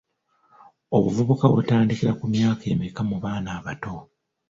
Obuvubuka butandikira ku myaka emeka mu baana abato?